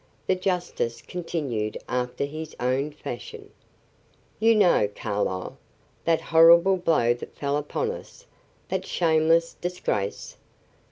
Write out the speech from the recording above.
The justice continued after his own fashion. "You know, Carlyle, that horrible blow that fell upon us, that shameless disgrace.